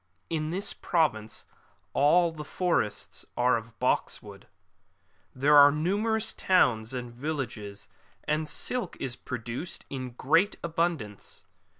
^ [In this province all the forests are of box wood.''] There are numerous towns and villages, and silk is pro duced in great abundance.